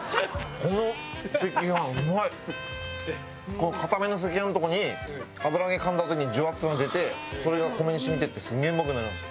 この硬めの赤飯のとこに油揚げ噛んだあとにジュワッというのが出てそれが米に染みてってすげえうまくなります。